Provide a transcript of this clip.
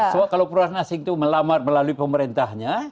coba kalau perusahaan asing itu melamar melalui pemerintahnya